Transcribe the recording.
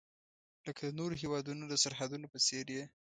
لکه د نورو هیوادونو د سرحدونو په څیر یې.